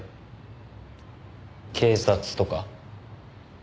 警察とか？